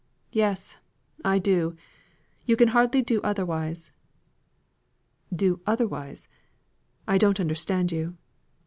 "Yes! I do. You can hardly do otherwise." "Do otherwise! I don't understand you."